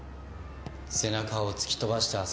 背中を突き飛ばして遊ぶ。